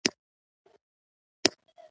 زیړ ځنګله کې لارې دوې دي، بیلې شوې